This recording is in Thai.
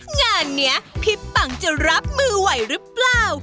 งานนี้พี่ปังจะรับมือไหวหรือเปล่า